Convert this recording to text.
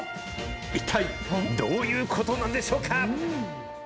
一体どういうことなんでしょうか。